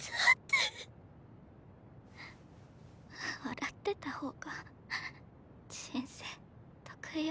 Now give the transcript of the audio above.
笑ってた方が人生得よ。